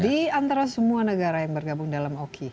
di antara semua negara yang bergabung dalam oki